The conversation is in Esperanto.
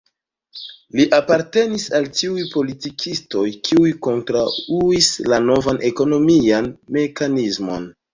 Li apartenis al tiuj politikistoj, kiuj kontraŭis la novan ekonomian mekanismon.